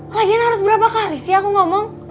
lagian harus berapa kali sih aku ngomong